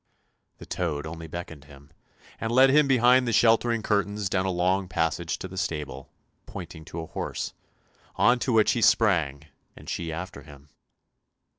" The toad only beckoned him, and led him behind the shelter ing curtains down a long passage to the stable, pointed to a horse, on to which he sprang and she after him.